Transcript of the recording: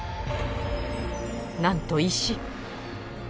なんと石。